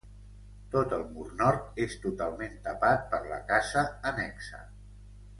Tot el mur nord és totalment tapat per la casa annexa.